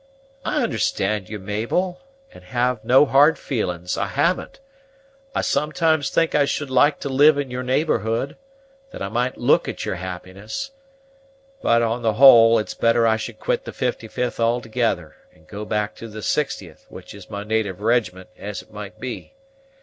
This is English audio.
"I understand you, Mabel, and have no hard feelings, I haven't. I sometimes think I should like to live in your neighborhood, that I might look at your happiness; but, on the whole, it's better I should quit the 55th altogether, and go back to the 60th, which is my natyve rigiment, as it might be.